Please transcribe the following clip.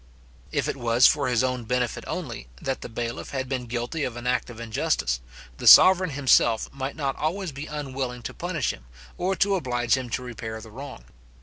If it was for his own benefit only, that the bailiff had been guilty of an act of injustice, the sovereign himself might not always be unwilling to punish him, or to oblige him to repair the wrong.